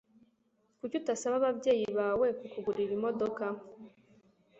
Kuki utasaba ababyeyi bawe kukugurira imodoka